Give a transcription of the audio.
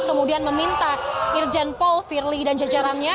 kemudian meminta irjen paul firly dan jajarannya